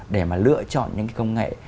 để mà lựa chọn những công nghệ